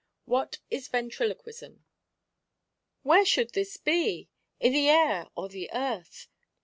WHAT VENTRILOQUISM IS. " Where should this be ? I' the air or the earth